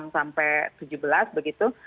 enam sampai tujuh belas begitu